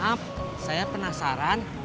maaf saya penasaran